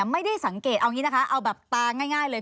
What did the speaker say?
ไม่ได้สังเกตเอาอย่างนี้นะคะเอาแบบตาง่ายเลย